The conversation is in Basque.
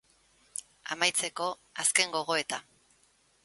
Amaitzeko, azken gogoeta.